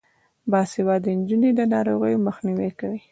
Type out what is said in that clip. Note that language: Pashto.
باسواده نجونې د ناروغیو مخنیوی کوي.